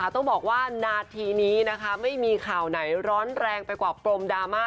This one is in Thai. ต้องบอกว่านาทีนี้นะคะไม่มีข่าวไหนร้อนแรงไปกว่าปรมดราม่า